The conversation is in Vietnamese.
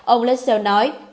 ông lessell nói